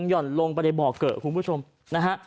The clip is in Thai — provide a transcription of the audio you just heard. ห่อนลงไปในบ่อเกอะคุณผู้ชมนะฮะ